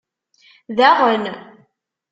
Daɣen!